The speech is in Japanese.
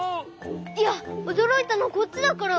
いやおどろいたのこっちだから！